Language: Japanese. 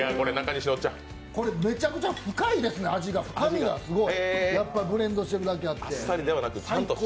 これ、めちゃめちゃ深いですね、味が、深みがすごい。やっぱブレンドしているだけあって。